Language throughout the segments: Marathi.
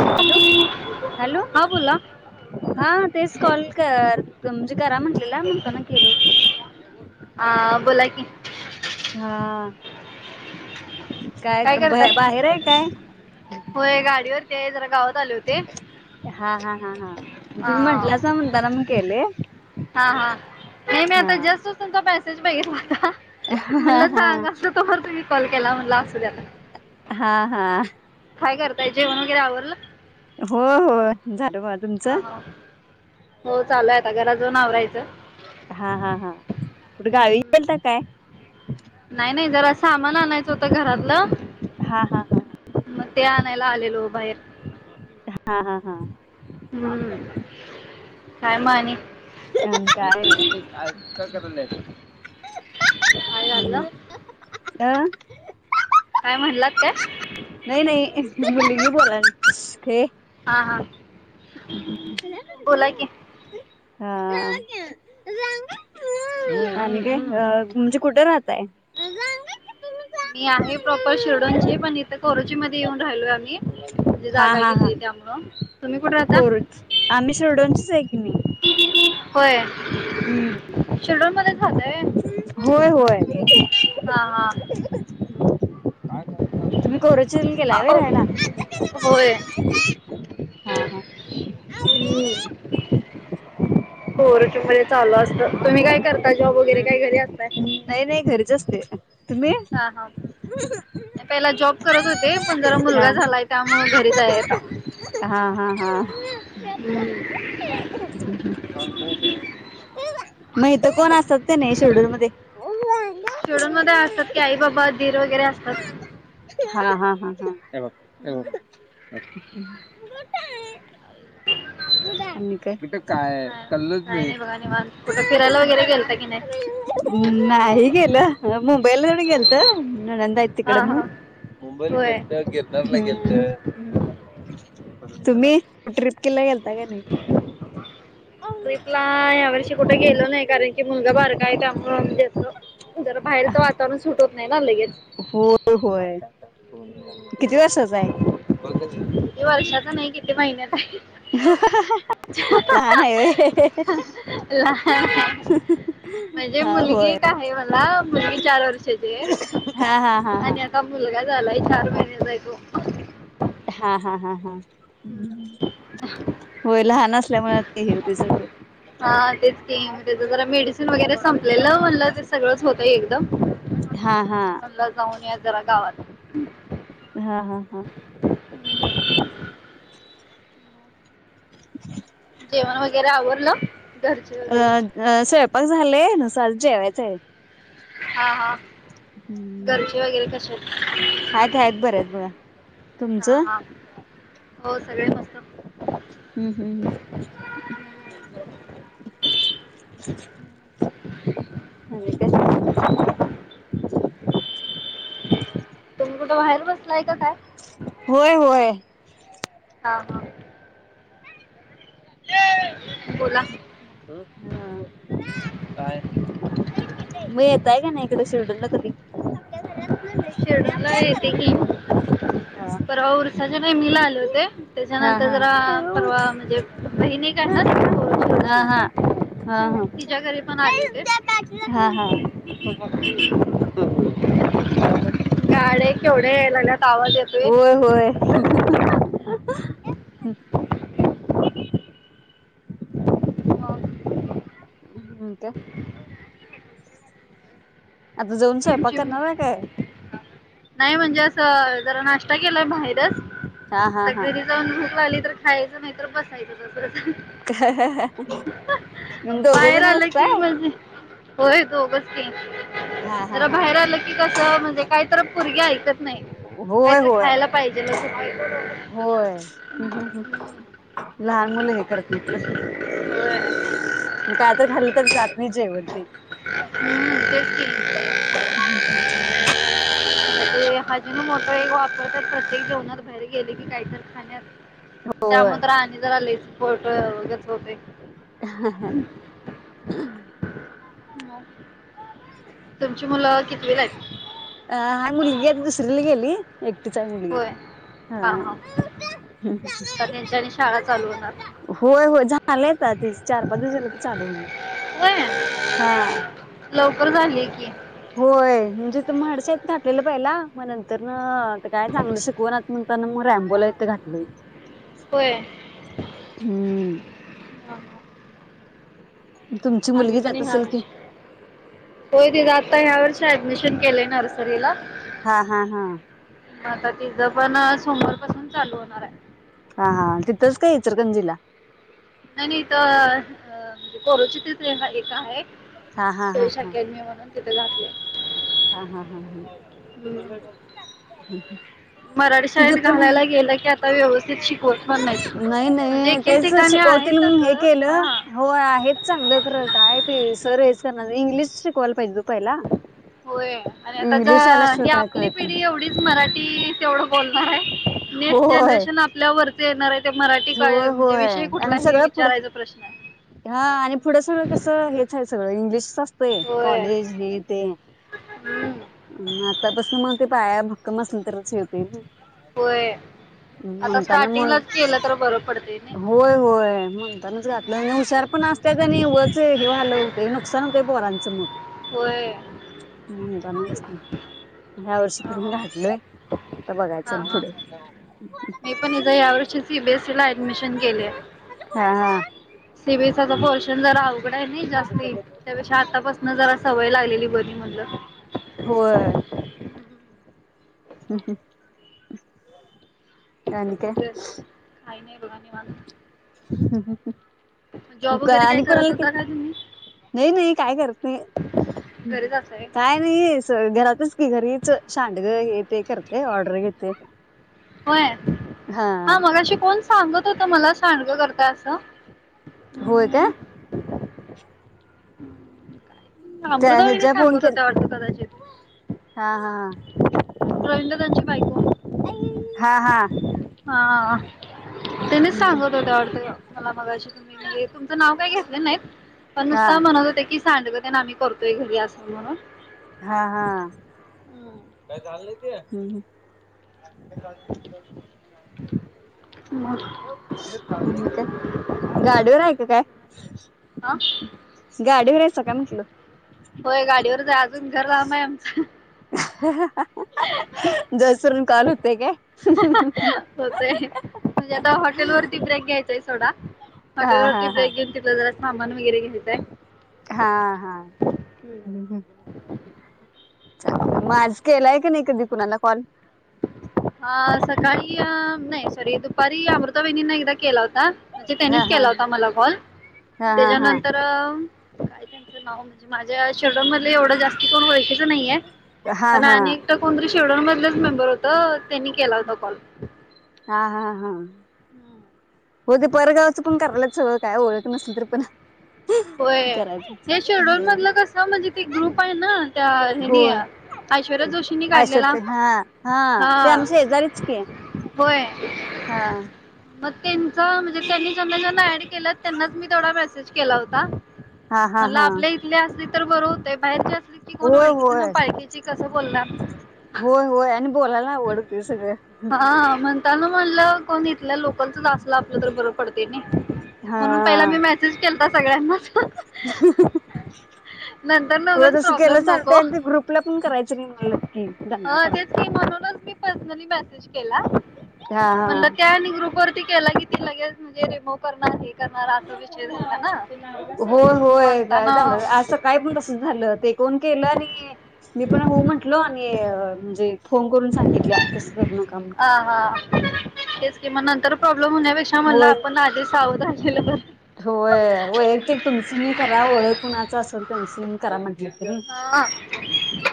हॅलो हॅलो हा बोला हा तेच कॉल कर [unintelligible] करा म्हटलेला म्हणतान केलो. आ, [inaudible] हा. काय बा बाहेर आहे काय? होय गाडीवर ते जरा गावात आले होते हा हा हा हा आ, तुम्ही म्हंटल्यासा म्हणताना मग केले. हा हा नाही मी हा आता जस्ट तुमचा मेसेज बघितला होता हा म्हणल सांग हा असल तो तुम्ही कॉल केला म्हणला असू दया आता हा हा. काय करताय जेवण वगैरे आवरलं? हो हो झालं. वा हा तुमचं. हा हो चालय आता घरा जाऊन आवरायचं. हा हा हा कुठ गावी हम्म. गेलता काय? नाही, नाही जरा सामान आणायचं होत घरातलं, हा हा मग ते आ नायला आलेलो बाहेर. हा हा हा! हूं काय म आणि. आणि काय नाय काय [unintelligible] आणि. झालं अ. काय म्हणलात काय नाही, नाही मुलगी बोलल्या. हा हा [unintelligible] हा. बोला की [unintelligible] अ आणि काय हं [unintelligible] म्हणजे कुठ राहताय? मी आहे प्रॉपर शिरडोनची, पण इथं कोरोचीमध्ये येऊन राहिलय आमी. मंजे जागा घेतली त्यामुळ. कोरज आम्ही शिरडूनच. चाय की मी. होय! हूं! शिरढोण मध्येच राहातय. होय होय. तुम्ही करोचन हा गेलाय होय अ, ओ, राहायला होय [unintelligible] हा हा! कोरुचनं मध्ये चालू असतं, तुम्ही काय करता जॉब वगैरे काय घरी असताय. नाही नाही घरीच असते. तुम्ही? हा हा पहिला जॉब करत होते ते पण जरा हा मुलगा झालाय त्यामुळं घरीच आहे, आता हूं. हा हा हा. [inaudible] म इथं कोण असतात का नाही शिरडून मध्ये. [unintelligible] शीरडून मध्ये असतात की, आई बाबा दीर. वगैरे असतात. हा हा हा हा! हम्म. [unintelligible] [unintelligible] तू का काय कल्लंच काय नाही बघा निवांत कुठं फिरायला वगैरे गेलता की नाही नाही गेलं ह म मुंबईल गेलत नंद यती तिकडे हा म्हणून हा मुंबईल होय गेत गिरन गेत तुम्ही ट्र्रीप केला गेल तग नाही ट्र्रीपला या वर्षी कुठे गेलो नाही कारण कि मुलगा बारका आहे त्यामु जसं जरा बाहेरचं वातावरण सुटत नाही ना लगेच होय होय किती वर्षचा आहे बघ क वर्षाच नाही किती महिन्यात आहे लहान आहे व्हय म्हणजे हा मुलगी होय एक आहे मला मुलगी चार वर्षाची हा हा हा हा आणि आता मुलगा झालाय चार महिन्याचा आहे तो हा हा हा हा [unintelligible] होय लहान असल्यामुळे ते हे होते सगळं हा तेच जराड वगैरे संपलेलं म्हणलं तर सगळंच ते हा हा ला जाऊन या जरा गावात हम् हा हा हा [unintelligible] ह जेवण वगैरे आवरडलं घरचे वगैरे सलजेवथ हा हा हम्म घरचे वगैरे कसे आहेत आहेतात आहेतच बर आहेत बघा हा तुमचं हा हो सगळे मस्त हम्म हम्म अ तुम्ही कुठं बाहेर बसलाय का काय होय होय हा हा अ हा मी येतय का नाहीड शेवडून ना तरी छेडून लाय ते की पर हा होर सज का मिला आले होते त्याच्यानंतर हा. जरा परवा म्हणजे महिने काय हा ना हा हा मध्ये हा. तिच्या घरी पण आले होते हा हा गा केवढ्या होय होय हम् [inaudible] मग आणि काय आता जाऊन स्वयंपाक करणार आहे काय? नाही म्हणजे असं जरा नाश्ता केलाय बाहेरच हा हा आ हा घरी जाऊन भूक लाली तर खायचं नाही तर बसायचं तसंच बाहेर दोघेजण आलं की असताय म्हणजे होय दोघच की हा हा जरा हा हा बाहेर आलं की कसं म्हणजे काय तर होय होय पाहिजेलच होते होय लहान मुलं हे करत नाही मग काय तर खाल्लं तर जात मी जेवण तेच की [unintelligible] ते अजून मोठ एक वापर तर प्रत्येक जेवनात बाहेर गेले की काहीत खाण्यात होय. त्यामुळे तर आणि जरा फोटो वगंच होते हा हा ह तुमची मुलं किती [unintelligible] हाय मुलगी दुसरीला गेली एकटीचा मुलगी होय हा हा ह आता त्यांच्या आणि शाळा चालू होणार होय हो चाले चार पाच दिवस झाला तर चालू होईल होय लो बर झाली की जिथ म्हडसा आहेतेत खाटलेलं पहिला मग नंतर ना काय चांगलं शिकवा ना म्हणताना मग रमबोला इथे घातलं हो होय हम्म हा हा तुमची आम्ही मुलगी पण जात असेल की यावर्षी होय त्याचा आता यावर्षी ऍडमिशन केलंय नर्सरीला. हा हा हा आता तिथं पण सोमवार पासून चालू होणार आहे. हा हा तिथंच काय इचरकंजीला. नाही नाही, तर अ करुचितच एक आहे. हा हा हा सुयश हा अकॅडमी म्हणून, तिथे घातले. हा हा हा हा हम्म. हम्म. मराठी तिथ शाळेत पण आहे. घालायला गेलं की आता व्यवस्थित शिकवत पण नाहीत. नाही म्हणजे नाही एक एक तेच ठिकाणी आहे शिकवतील म्हणून हे तसं केलं हा. होय आहेत चांगलं खर काय ते सर हेच मग इंग्लिश शिकवला पाहिजे ग पहिला. होय आणि आता इंग्लिश ज आल्याशिवाय ही काय आपली कळत नाही. पिढी एवढीच मराठी तेवढं बोलणार आहे. नेक्स्ट होय. जनरेशन आपल्यावर देणार [unintelligible] होय होय, आणि सगळं पुढं विचारायचा प्रश्न आहे. हा आणि पुढं सगळं कस हेच आहे सगळं विश [unintelligible] [unintelligible] होय. कॉलेज हे ते. हम्म. कम असल तरच हे होतंय ना. होय. आता म्हणताना म स्टार्टिंगलाच केलं तर बरं पडते नाही होय होय, म्हणतानाच घातलं आणि हुशार पण अस त्यात [unintelligible] हे [unintelligible] नुकसान होतंय. पोरांचं मग. होय. [unintelligible] ह्या वर्षी [unintelligible] हां घातलोय. आता हां बघायचं हां पुढं. ऍडमिशन केलंय. हा हा सी बी [unintelligible] पोर्शन जरा अवघड आहे ना जास्ती त्यापेक्षा आतापासून जरा सवय लागलेली बरी म्हणलं. होय. हम् हम. आणि काय? काय नाही बघा निवांत. हम जॉब हम. वगैरे काय आणि कोणाला करत के होता का तुम्ही नाही नाही काय करत नाही‌. घरीच असताय काय नाही घरातच की घरीच शांडग हे ते कर. होय, हा मगाशी कोण सांगत होत मला सांडग कर [unintelligible] होय काय? त्या अमृता वहिनी हच्या फोन सांगत के, होत्या वाटतं हा हा. हम्म, हम्म, हम्म. रवींदादा ची बायको. हा हा हा त्यांनीच हम्म, सांगत होत्या वाटतं मला मगाशी [unintelligible] तुमच नाव काय घेतले नाहीत पण हा नुसता म्हणत होते की सांडग तेन आम्ही करतोय घरी अस म्हणून. हा हा काय चाल नाही ते मग का गाडीवर आहेय का काय हा गाडीवर याचं काय म्हटलं जंगर लाम आहे आमचं ह जोसरून कॉल होते का होतंय. सोडटेलट ब्रेक गनला हा मनवी घर घ होेत आहे हा हा गलं मग आज केलाय क नाही कधी कुणाला कॉल ह सकाळी अ नाही सरी तरी अमृतणींना एकदा केला होता म्हणजे हा त्यानीच हा केला होता मला कॉल हा हा हा त्याच्यानंतर काय त्यांचं नाव म्हणजे माझ्या श म एवढं जास्त कोण वळखच नाहीये हा प हा अनेकट कोरी शेवडमधलेच मेंबर होत त्यांनी केला होता कॉल हा हा हा होग ते परगावचं पण करायलाच हं काय नसल तर पण होय हे शेड्यल मधलं करायचं कस म्हणजे ते ग्रुप आहे ना त्या हो हनी ऐश्वर्या जोशीनी ऐश्वर्या काढलेला ताई हा हा ते आमच्या शेजारीच की होय हा म त्यांचा म्हणजे त्यांनी जना जना ऍड केला त्यांनाच मी तेथोडा मेसेज केला होता का हा हा मला हा आपल्या इथले अस बरं होतंय बाहेर होय होय बोलणार. होय होय आणि बोलायला ना आवडते सगळ तलमनला कोण लोकलचलं आपलं तर बरं पडते हा म्हणून पहिला मी मेसेज के कळ ना नंतर हो नच तसं केलं प्रॉब्लेम नको चालतंय आणि ते ग्रुपला पण करायचं नाही म्हणलं की दंगा ह तेच करायला म्हणूनच मी पर्सनली मेसेज केला हा म्हण हा त्या ग्रुप गी ती लगेे रिमोव हे करणारा असा विषय झालता ना होय होय का म्हणताना सांगा आज सकाळी पण तस झालं ते कोण केलं आणि मी पण हो म्हंटल आणि जे फोन करून सांगितल्या तसं करू नका म्हणून अं हा तेच कि म नंतर प्रॉब्लेम होण्यापेक्षा म्हणलं होय आपण आधीच, सावध राहिलेलं बरं. होय वैयक्तिक ते तुमचं तुम्ही करा ओळखीचे कुणाच असेल त्यांचं मग करा म्हटलं हा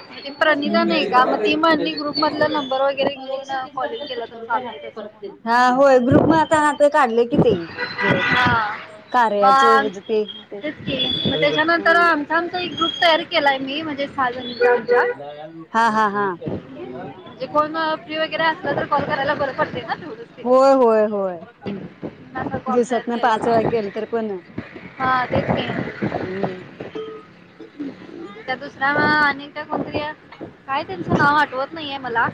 मग ती प्रणिता नाही का मग ती म्हणली ग्रुप मधला नंबर वगैरे घेऊन कॉलिंग केला तर चालते तसं म्हणून होय ग्रुप मध्ये आता काढले कि ते हा कार्याचं मग हेच ते ते. तेच की मग त्याच्यानंतर हं. आमचा आमचा एक ग्रुप तयार केला केलाय मी म्हणजे [unintelligible] हा हा हा म्हणजे कोण फ्री वगैरे असलं तर कॉल करायला बरं पडते ना तेवढंच ते होय होय होय असा कॉल तयार दिवसातन केला पाच वेळा होता केलं तर पण हा तेच की हम्. दुसरा अनेकदा कोणतरी काय त्यांचं नाव आठवत नाहीये मला,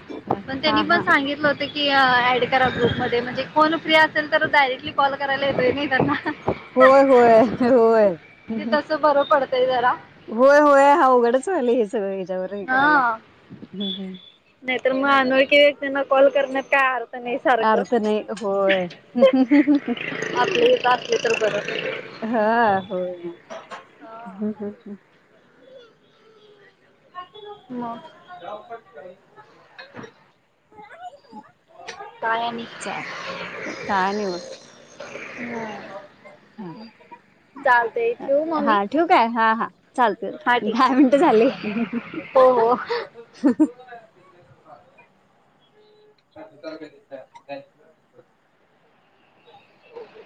पण हा त्यांनी पण हा सांगितलं होतं की ऍड करा ग्रुप मध्ये म्हणजे कोण फ्री असेल तर डायरेक्टली कॉल करायला येतोय त्यांना होय होय होय ते तसं बरं पडतंय जरा होय होय हवं बरं झालं हे हच्यावर हे करायला हा त्यांना कॉल करण्या अर्थ नाही होय आपले इथं असले तर बरं. हा होय ना हू हम्म हम्म मग [inaudible] काय अनिक चाल काय नाही मग हं हा ठेवू काय हा हा चालतंय हा ठीक दहा आहे. मिनिट झाले. हो हो. [inaudible] [inaudible] ओके